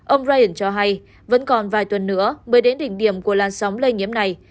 ông ryan cho hay vẫn còn vài tuần nữa mới đến đỉnh điểm của lan sóng lây nhiễm này